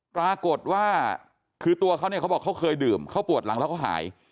ปรากฏว่าคือตัวเขาเนี่ยเขาบอกเขาเคยดื่มเขาปวดหลังแล้วเขาหาย